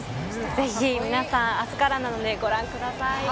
ぜひ皆さん、あすからなのでご覧ください。